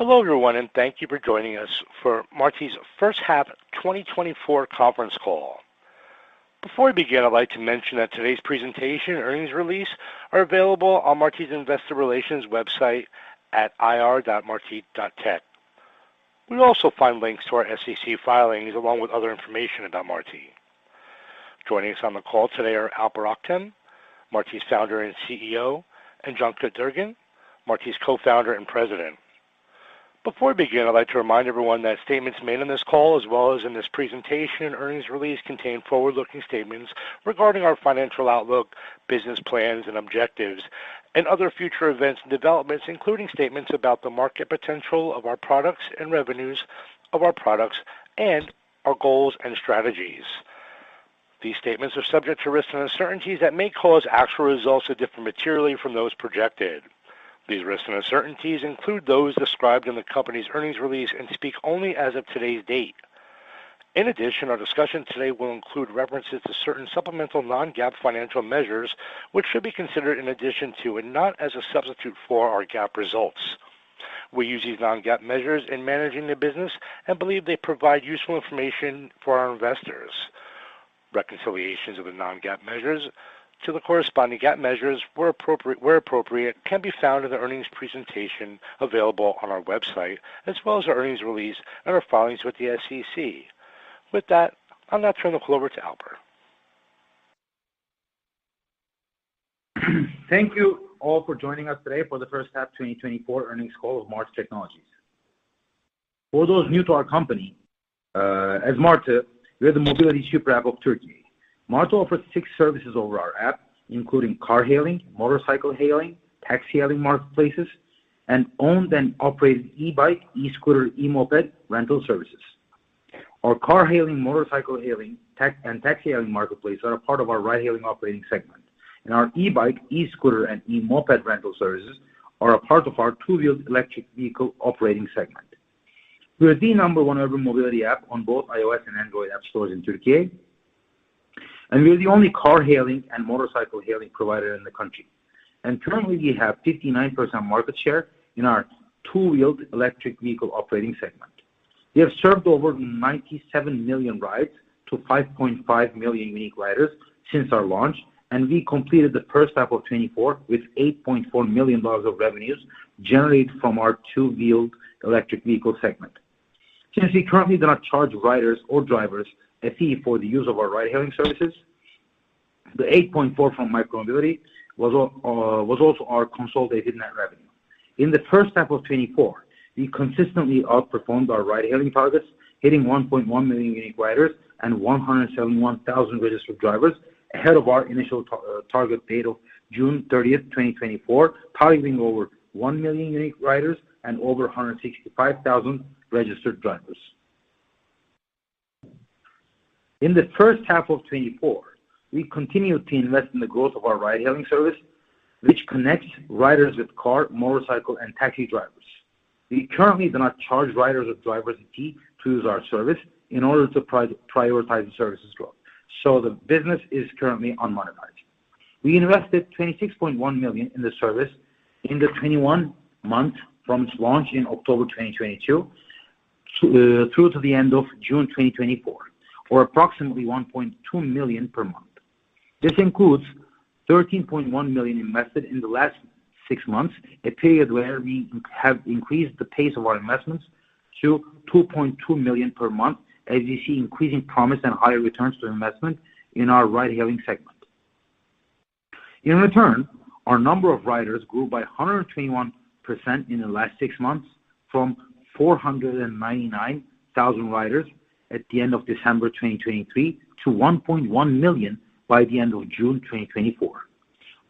Hello, everyone, and thank you for joining us for Marti's H1 2024 Conference Call. Before we begin, I'd like to mention that today's presentation earnings release are available on Marti's Investor Relations website at ir.marti.tech. You'll also find links to our SEC filings, along with other information about Marti. Joining us on the call today are Alper Oktem, Marti's founder and CEO, and Cankut Durgun, Marti's co-founder and President. Before we begin, I'd like to remind everyone that statements made on this call, as well as in this presentation earnings release, contain forward-looking statements regarding our financial outlook, business plans and objectives, and other future events and developments, including statements about the market potential of our products and revenues of our products, and our goals and strategies. These statements are subject to risks and uncertainties that may cause actual results to differ materially from those projected. These risks and uncertainties include those described in the company's earnings release and speak only as of today's date. In addition, our discussion today will include references to certain supplemental non-GAAP financial measures, which should be considered in addition to, and not as a substitute for, our GAAP results. We use these non-GAAP measures in managing the business and believe they provide useful information for our investors. Reconciliations of the non-GAAP measures to the corresponding GAAP measures, where appropriate, can be found in the earnings presentation available on our website, as well as our earnings release and our filings with the SEC. With that, I'll now turn the call over to Alper. Thank you all for joining us today for the H1 2024 Earnings Call of Marti Technologies. For those new to our company, as Marti, we are the mobility super app of Turkey. Marti offers six services over our app, including car hailing, motorcycle hailing, taxi hailing, marketplaces, and owned and operated e-bike, e-scooter, e-moped rental services. Our car hailing, motorcycle hailing, taxi, and taxi hailing marketplace are a part of our ride-hailing operating segment, and our e-bike, e-scooter, and e-moped rental services are a part of our two-wheeled electric vehicle operating segment. We are the number one urban mobility app on both iOS and Android app stores in Turkey, and we are the only car hailing and motorcycle hailing provider in the country. Currently, we have 59% market share in our two-wheeled electric vehicle operating segment. We have served over 97 million rides to 5.5 million unique riders since our launch, and we completed the first half of 2024 with $8.4 million of revenues generated from our two-wheeled electric vehicle segment. Since we currently do not charge riders or drivers a fee for the use of our ride-hailing services, the $8.4 from micromobility was also our consolidated net revenue. In the first half of 2024, we consistently outperformed our ride-hailing targets, hitting 1.1 million unique riders and 171,000 registered drivers ahead of our initial target date of June 30th, 2024, targeting over 1 million unique riders and over 165,000 registered drivers. In the first half of 2024, we continued to invest in the growth of our ride-hailing service, which connects riders with car, motorcycle, and taxi drivers. We currently do not charge riders or drivers a fee to use our service in order to prioritize the service's growth, so the business is currently unmonetized. We invested $26.1 million in the service in the 21-month period from its launch in October 2022 through to the end of June 2024, or approximately $1.2 million per month. This includes $13.1 million invested in the last six months, a period where we have increased the pace of our investments to $2.2 million per month, as you see increasing promise and higher returns to investment in our ride-hailing segment. In return, our number of riders grew by 121% in the last six months from 499,000 riders at the end of December 2023 to 1.1 million by the end of June 2024.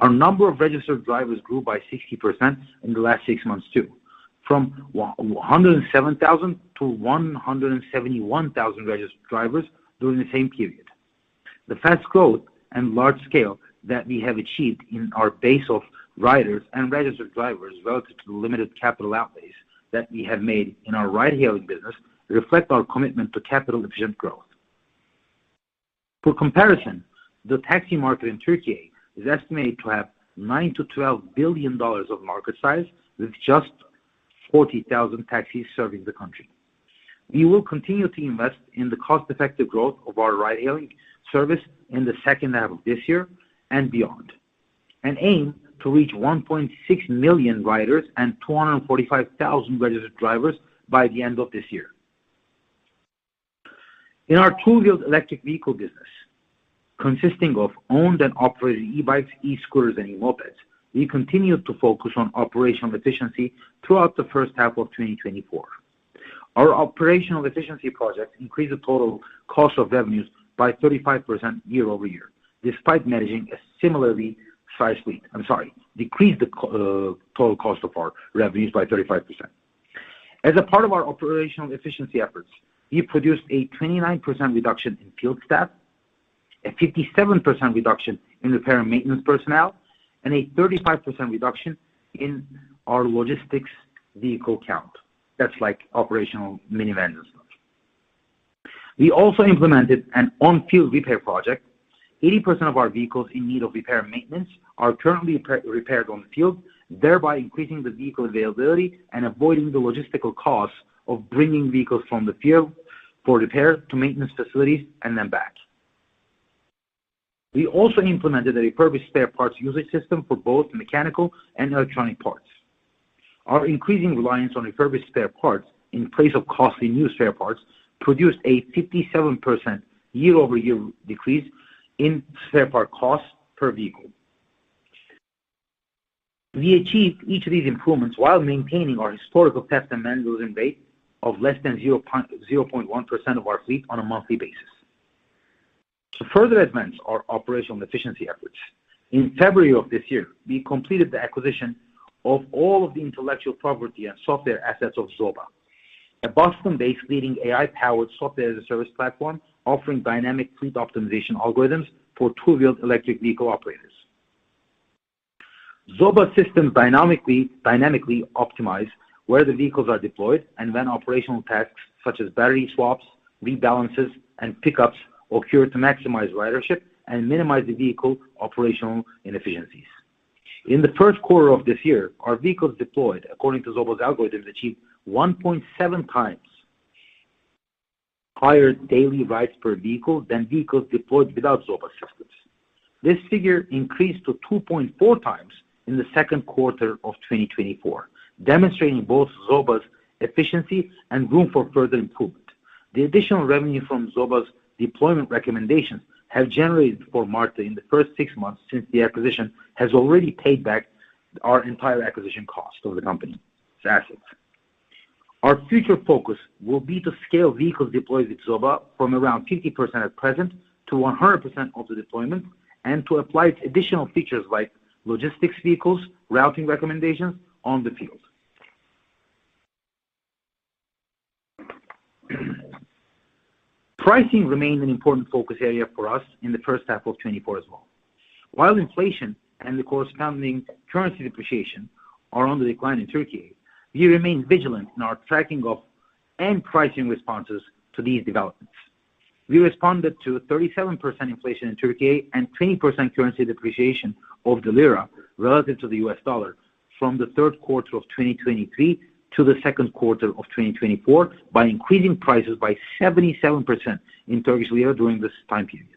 Our number of registered drivers grew by 60% in the last six months, too, from 107,000-171,000 registered drivers during the same period. The fast growth and large scale that we have achieved in our base of riders and registered drivers, relative to the limited capital outlays that we have made in our ride-hailing business, reflect our commitment to capital-efficient growth. For comparison, the taxi market in Turkey is estimated to have $9 billion-$12 billion of market size, with just 40,000 taxis serving the country. We will continue to invest in the cost-effective growth of our ride-hailing service in the second half of this year and beyond, and aim to reach 1.6 million riders and 245,000 registered drivers by the end of this year. In our two-wheeled electric vehicle business, consisting of owned and operated e-bikes, e-scooters, and e-mopeds, we continued to focus on operational efficiency throughout the first half of 2024. Our operational efficiency projects increased the total cost of revenues by 35% year over year, despite managing a similarly sized fleet. I'm sorry, decreased the total cost of our revenues by 35%. As a part of our operational efficiency efforts, we produced a 29% reduction in field staff, a 57% reduction in repair and maintenance personnel, and a 35% reduction in our logistics vehicle count. That's like operational minivans and stuff. We also implemented an on-field repair project. 80% of our vehicles in need of repair and maintenance are currently repaired on the field, thereby increasing the vehicle availability and avoiding the logistical costs of bringing vehicles from the field for repair to maintenance facilities and then back. We also implemented a refurbished spare parts usage system for both mechanical and electronic parts. Our increasing reliance on refurbished spare parts in place of costly new spare parts produced a 57% year-over-year decrease in spare part costs per vehicle. We achieved each of these improvements while maintaining our historical breakdown maintenance rate of less than 0.01% of our fleet on a monthly basis. To further advance our operational efficiency efforts, in February of this year, we completed the acquisition of all of the intellectual property and software assets of Zoba, a Boston-based leading AI-powered software-as-a-service platform, offering dynamic fleet optimization algorithms for two-wheeled electric vehicle operators. Zoba systems dynamically optimize where the vehicles are deployed and when operational tasks such as battery swaps, rebalances, and pickups occur to maximize ridership and minimize the vehicle operational inefficiencies. In the first quarter of this year, our vehicles deployed, according to Zoba's algorithms, achieved 1.7 times higher daily rides per vehicle than vehicles deployed without Zoba systems. This figure increased to 2.4 times in the second quarter of 2024, demonstrating both Zoba's efficiency and room for further improvement. The additional revenue from Zoba's deployment recommendations have generated for Marti in the first six months since the acquisition has already paid back our entire acquisition cost of the company's assets. Our future focus will be to scale vehicles deployed with Zoba from around 50% at present to 100% of the deployment, and to apply additional features like logistics, vehicles, routing recommendations on the field. Pricing remains an important focus area for us in the first half of twenty twenty-four as well. While inflation and the corresponding currency depreciation are on the decline in Turkey, we remain vigilant in our tracking of and pricing responses to these developments. We responded to 37% inflation in Turkey and 20% currency depreciation of the lira relative to the U.S. dollar from the third quarter of 2023 to the second quarter of 2024 by increasing prices by 77% in Turkish lira during this time period.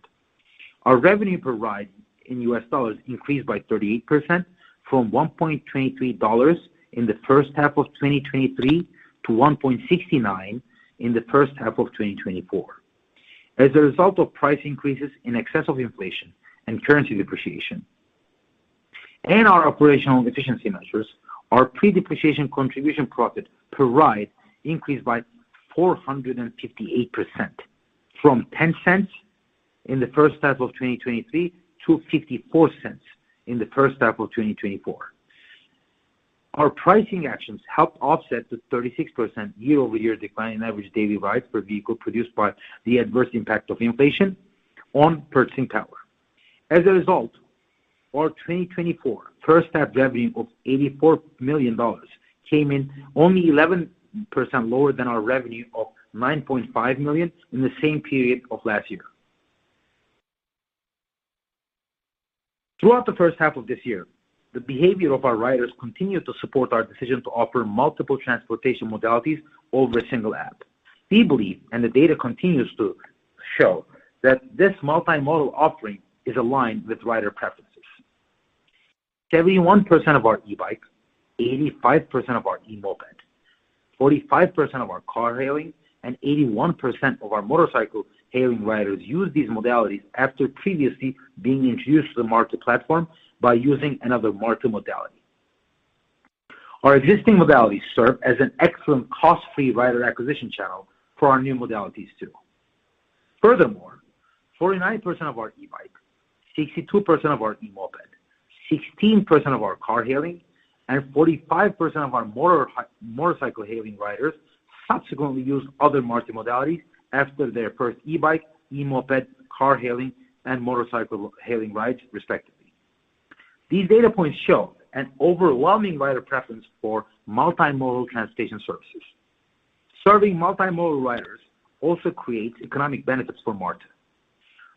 Our revenue per ride in U.S. dollars increased by 38% from $1.23 in the first half of 2023 to $1.69 in the first half of 2024. As a result of price increases in excess of inflation and currency depreciation, and our operational efficiency measures, our pre-depreciation contribution profit per ride increased by 458%, from $0.10 in the first half of 2023 to $0.54 in the first half of 2024. Our pricing actions helped offset the 36% year-over-year decline in average daily rides per vehicle produced by the adverse impact of inflation on purchasing power. As a result, our 2024 first half revenue of $84 million came in only 11% lower than our revenue of $9.5 million in the same period of last year. Throughout the first half of this year, the behavior of our riders continued to support our decision to offer multiple transportation modalities over a single app. We believe, and the data continues to show, that this multimodal offering is aligned with rider preferences. 71% of our e-bikes, 85% of our e-moped, 45% of our car hailing, and 81% of our motorcycle hailing riders use these modalities after previously being introduced to the Marti platform by using another Marti modality. Our existing modalities serve as an excellent cost-free rider acquisition channel for our new modalities, too. Furthermore, 49% of our e-bike, 62% of our e-moped, 16% of our car hailing, and 45% of our motorcycle hailing riders subsequently used other Marti modalities after their first e-bike, e-moped, car hailing, and motorcycle hailing rides, respectively. These data points show an overwhelming rider preference for multimodal transportation services. Serving multimodal riders also creates economic benefits for Marti.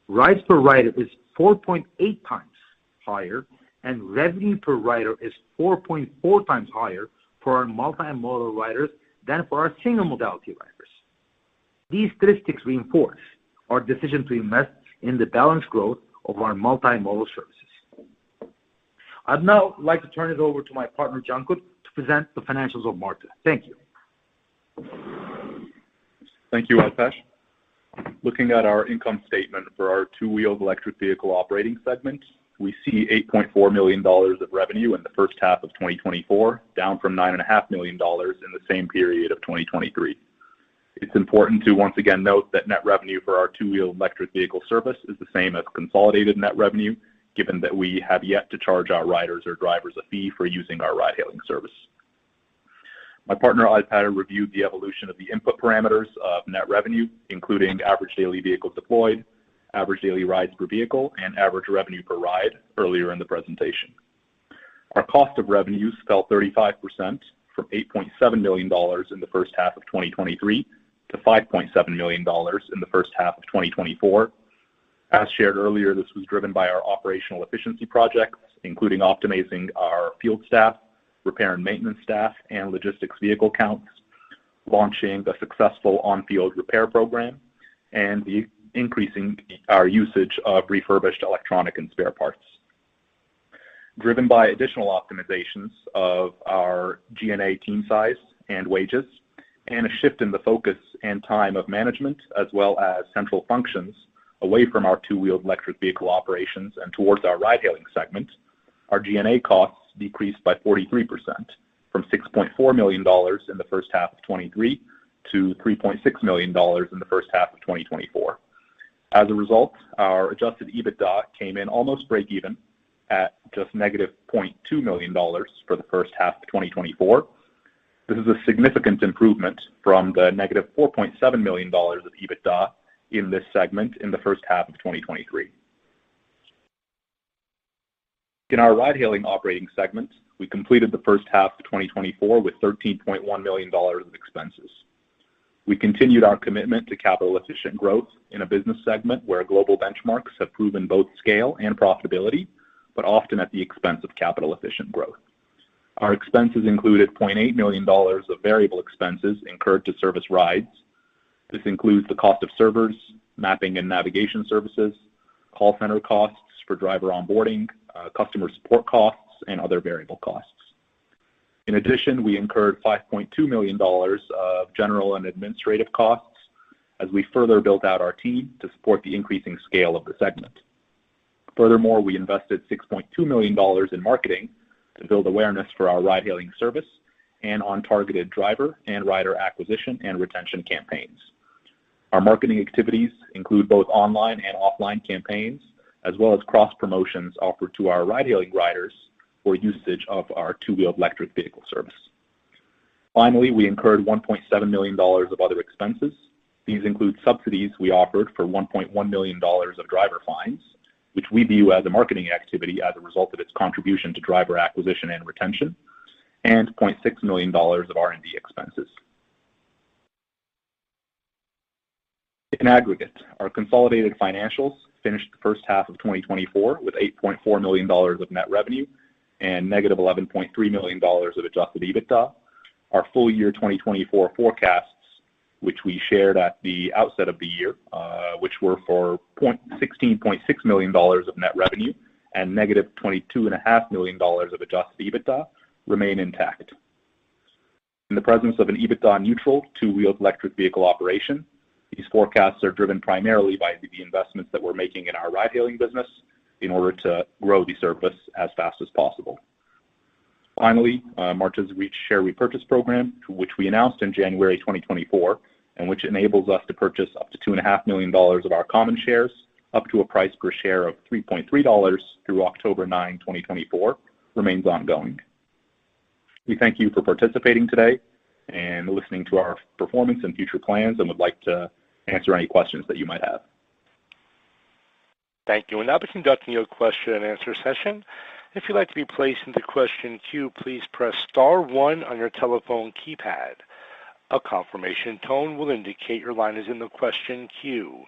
Rides per rider is 4.8 times higher, and revenue per rider is 4.4 times higher for our multimodal riders than for our single modality riders. These statistics reinforce our decision to invest in the balanced growth of our multimodal services. I'd now like to turn it over to my partner, Cankut, to present the financials of Marti. Thank you. Thank you, Alper. Looking at our income statement for our two-wheeled electric vehicle operating segment, we see $8.4 million of revenue in the first half of 2024, down from $9.5 million in the same period of 2023. It's important to once again note that net revenue for our two-wheeled electric vehicle service is the same as consolidated net revenue, given that we have yet to charge our riders or drivers a fee for using our ride-hailing service. My partner, Alper, reviewed the evolution of the input parameters of net revenue, including average daily vehicles deployed, average daily rides per vehicle, and average revenue per ride earlier in the presentation.... Our cost of revenue fell 35% from $8.7 million in the first half of 2023 to $5.7 million in the first half of 2024. As shared earlier, this was driven by our operational efficiency projects, including optimizing our field staff, repair and maintenance staff, and logistics vehicle counts, launching the successful on-field repair program, and the increasing our usage of refurbished electronic and spare parts. Driven by additional optimizations of our G&A team size and wages, and a shift in the focus and time of management, as well as central functions away from our two-wheeled electric vehicle operations and towards our ride-hailing segment, our G&A costs decreased by 43% from $6.4 million in the first half of 2023 to $3.6 million in the first half of 2024. As a result, our Adjusted EBITDA came in almost break even at just negative $2.2 million for the first half of 2024. This is a significant improvement from the negative $4.7 million of EBITDA in this segment in the first half of 2023. In our ride-hailing operating segment, we completed the first half of 2024 with $13.1 million of expenses. We continued our commitment to capital-efficient growth in a business segment where global benchmarks have proven both scale and profitability, but often at the expense of capital-efficient growth. Our expenses included $0.8 million of variable expenses incurred to service rides. This includes the cost of servers, mapping and navigation services, call center costs for driver onboarding, customer support costs, and other variable costs. In addition, we incurred $5.2 million of general and administrative costs as we further built out our team to support the increasing scale of the segment. Furthermore, we invested $6.2 million in marketing to build awareness for our ride-hailing service and on targeted driver and rider acquisition and retention campaigns. Our marketing activities include both online and offline campaigns, as well as cross promotions offered to our ride-hailing riders for usage of our two-wheeled electric vehicle service. Finally, we incurred $1.7 million of other expenses. These include subsidies we offered for $1.1 million of driver fines, which we view as a marketing activity as a result of its contribution to driver acquisition and retention, and $0.6 million of R&D expenses. In aggregate, our consolidated financials finished the first half of 2024 with $8.4 million of net revenue and negative $11.3 million of adjusted EBITDA. Our full year 2024 forecasts, which we shared at the outset of the year, which were for $16.6 million of net revenue and negative $22.5 million of Adjusted EBITDA, remain intact. In the presence of an EBITDA-neutral, two-wheeled electric vehicle operation, these forecasts are driven primarily by the investments that we're making in our ride-hailing business in order to grow the service as fast as possible. Finally, our share repurchase program, which we announced in January 2024, and which enables us to purchase up to $2.5 million of our common shares, up to a price per share of $3.3 through October 9, 2024, remains ongoing. We thank you for participating today and listening to our performance and future plans, and would like to answer any questions that you might have. Thank you. We'll now be conducting your question and answer session. If you'd like to be placed into question queue, please press star one on your telephone keypad. A confirmation tone will indicate your line is in the question queue.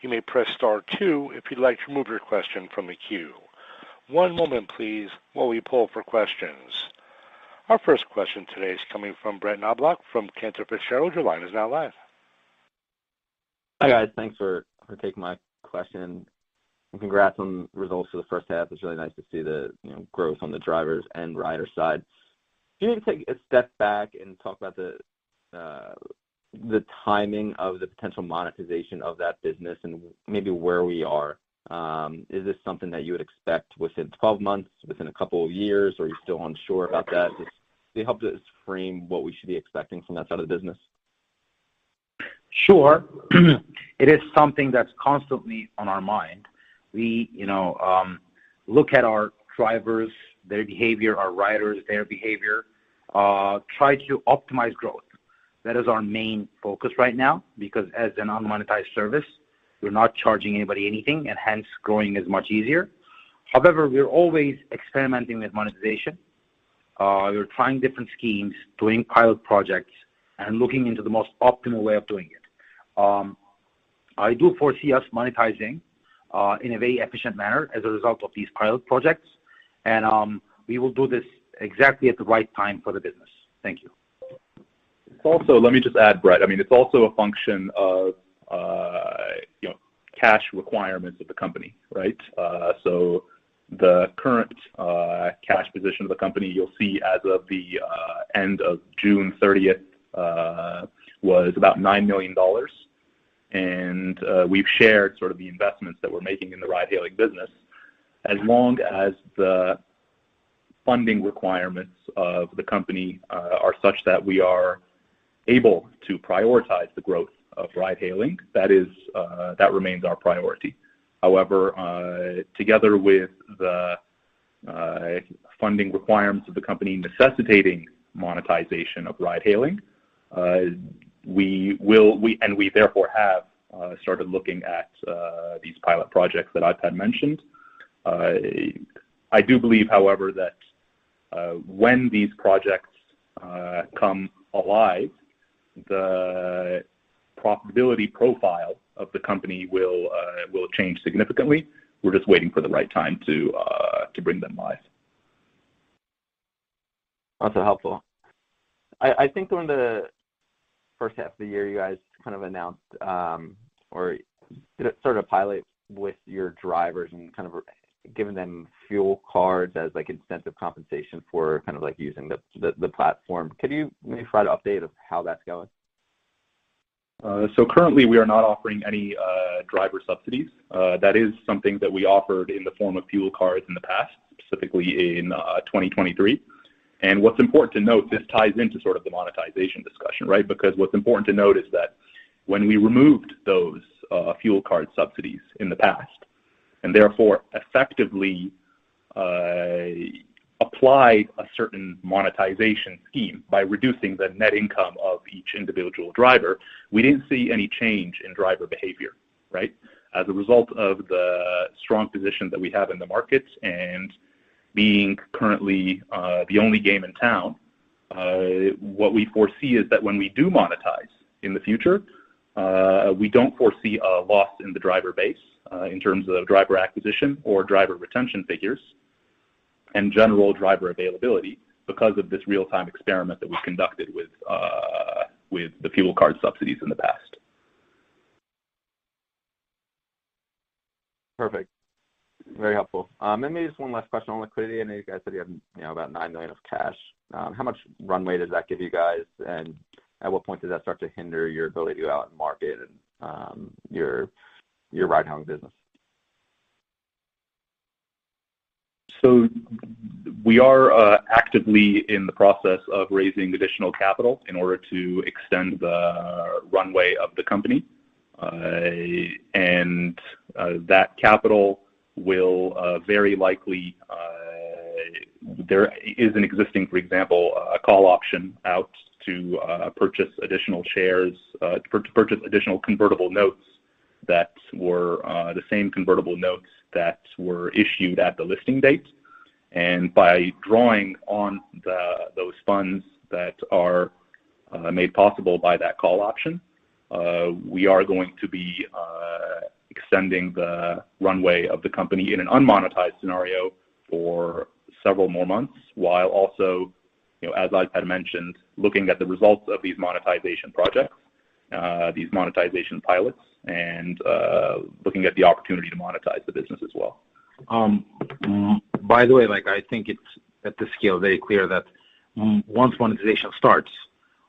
You may press star two if you'd like to remove your question from the queue. One moment please, while we pull for questions. Our first question today is coming from Brett Knoblauch from Cantor Fitzgerald. Your line is now live. Hi, guys. Thanks for taking my question, and congrats on the results for the first half. It's really nice to see the, you know, growth on the drivers and rider side. Do you take a step back and talk about the timing of the potential monetization of that business and maybe where we are? Is this something that you would expect within twelve months, within a couple of years, or are you still unsure about that? Just it helps us frame what we should be expecting from that side of the business. Sure. It is something that's constantly on our mind. We, you know, look at our drivers, their behavior, our riders, their behavior, try to optimize growth. That is our main focus right now, because as a non-monetized service, we're not charging anybody anything, and hence, growing is much easier. However, we're always experimenting with monetization. We're trying different schemes, doing pilot projects, and looking into the most optimal way of doing it. I do foresee us monetizing in a very efficient manner as a result of these pilot projects, and, we will do this exactly at the right time for the business. Thank you. Also, let me just add, Brett. I mean, it's also a function of, you know, cash requirements of the company, right? So the current cash position of the company, you'll see as of the end of June thirtieth, was about $9 million, and we've shared sort of the investments that we're making in the ride-hailing business. As long as the funding requirements of the company are such that we are able to prioritize the growth of ride-hailing, that is, that remains our priority. However, together with the funding requirements of the company necessitating monetization of ride-hailing, we therefore have started looking at these pilot projects that I've had mentioned. I do believe, however, that, when these projects come alive, the profitability profile of the company will change significantly. We're just waiting for the right time to bring them live. Also helpful. I think during the first half of the year, you guys kind of announced, or did a sort of pilot with your drivers and kind of giving them fuel cards as, like, incentive compensation for kind of like using the platform. Could you maybe try to update of how that's going? So currently, we are not offering any driver subsidies. That is something that we offered in the form of fuel cards in the past, specifically in 2023. And what's important to note, this ties into sort of the monetization discussion, right? Because what's important to note is that when we removed those fuel card subsidies in the past, and therefore effectively applied a certain monetization scheme by reducing the net income of each individual driver, we didn't see any change in driver behavior, right? As a result of the strong position that we have in the markets and being currently the only game in town, what we foresee is that when we do monetize in the future, we don't foresee a loss in the driver base, in terms of driver acquisition or driver retention figures, and general driver availability, because of this real-time experiment that we conducted with the fuel card subsidies in the past. Perfect. Very helpful. Maybe just one last question on liquidity. I know you guys said you have, you know, about $9 million of cash. How much runway does that give you guys? And at what point does that start to hinder your ability to go out and market and your ride-hailing business? So we are actively in the process of raising additional capital in order to extend the runway of the company. And that capital will very likely. There is an existing, for example, a call option out to purchase additional shares to purchase additional convertible notes that were the same convertible notes that were issued at the listing date. And by drawing on the those funds that are made possible by that call option we are going to be extending the runway of the company in an unmonetized scenario for several more months, while also, you know, as I had mentioned, looking at the results of these monetization projects these monetization pilots, and looking at the opportunity to monetize the business as well. By the way, like, I think it's at this scale very clear that once monetization starts,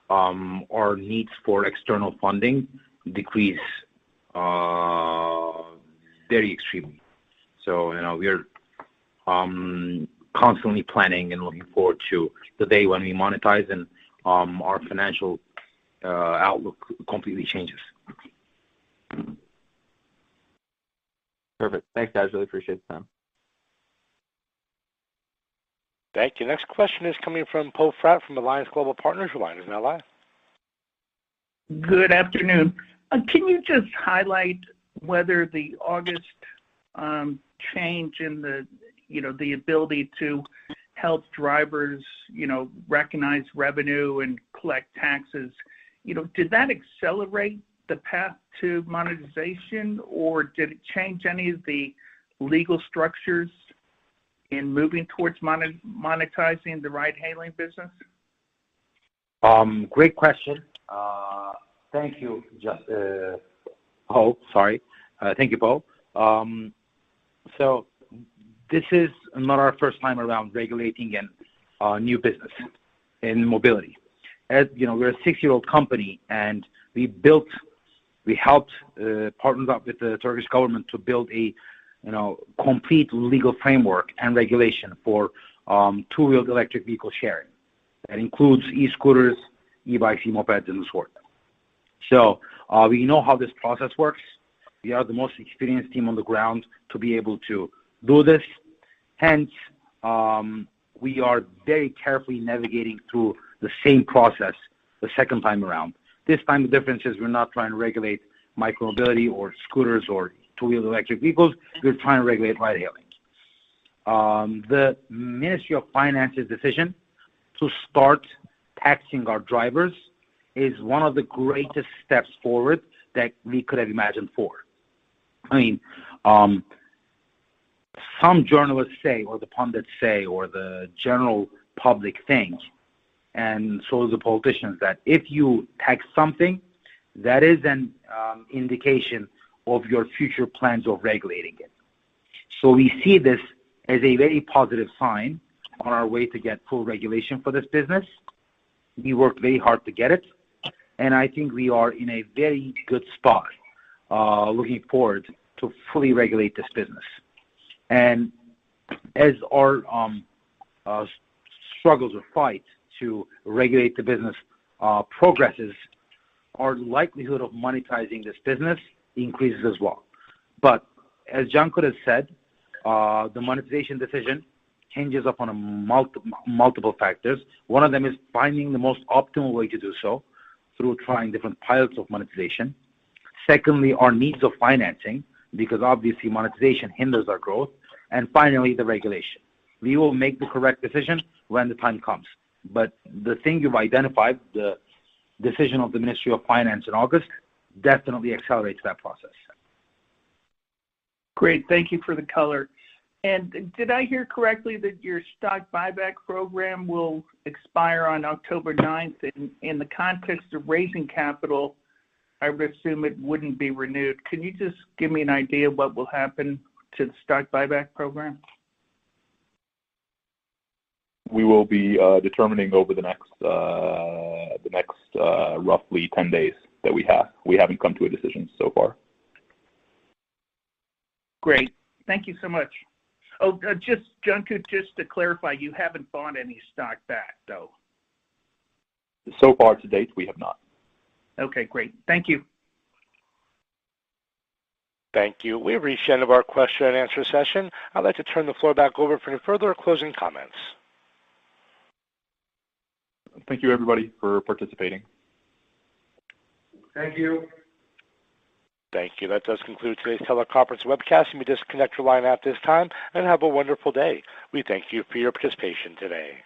our needs for external funding decrease very extremely. You know, we are constantly planning and looking forward to the day when we monetize and our financial outlook completely changes. Perfect. Thanks, guys. Really appreciate the time. Thank you. Next question is coming from Poe Fratt from Alliance Global Partners. Your line is now live. Good afternoon. Can you just highlight whether the August change in the, you know, the ability to help drivers, you know, recognize revenue and collect taxes, you know, did that accelerate the path to monetization, or did it change any of the legal structures in moving towards monetizing the ride-hailing business? Great question. Thank you, just Poe, sorry. Thank you, Poe. So this is not our first time around regulating a new business in mobility. As you know, we're a six-year-old company, and we helped partner up with the Turkish government to build a you know, complete legal framework and regulation for two-wheeled electric vehicle sharing. That includes e-scooters, e-bikes, mopeds, and so forth. So we know how this process works. We are the most experienced team on the ground to be able to do this, hence we are very carefully navigating through the same process the second time around. This time, the difference is we're not trying to regulate micro-mobility or scooters or two-wheeled electric vehicles. We're trying to regulate ride-hailing. The Ministry of Finance's decision to start taxing our drivers is one of the greatest steps forward that we could have imagined for. I mean, some journalists say, or the pundits say, or the general public think, and so do the politicians, that if you tax something, that is an indication of your future plans of regulating it. So we see this as a very positive sign on our way to get full regulation for this business. We worked very hard to get it, and I think we are in a very good spot, looking forward to fully regulate this business. And as our struggles or fight to regulate the business progresses, our likelihood of monetizing this business increases as well. But as Cankut has said, the monetization decision hinges upon a multiple factors. One of them is finding the most optimal way to do so through trying different pilots of monetization. Secondly, our needs of financing, because obviously monetization hinders our growth. And finally, the regulation. We will make the correct decision when the time comes. But the thing you've identified, the decision of the Ministry of Finance in August, definitely accelerates that process. Great. Thank you for the color. And did I hear correctly that your stock buyback program will expire on October ninth? In the context of raising capital, I would assume it wouldn't be renewed. Can you just give me an idea of what will happen to the stock buyback program? We will be determining over the next roughly 10 days that we have. We haven't come to a decision so far. Great. Thank you so much. Oh, just, Cankut, just to clarify, you haven't bought any stock back, though? So far, to date, we have not. Okay, great. Thank you. Thank you. We've reached the end of our question and answer session. I'd like to turn the floor back over for any further closing comments. Thank you, everybody, for participating. Thank you. Thank you. That does conclude today's teleconference webcast. You may disconnect your line at this time, and have a wonderful day. We thank you for your participation today.